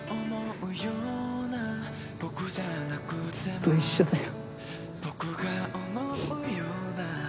ずっと一緒だよ。